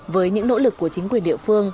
với những nỗ lực của chính quyền địa phương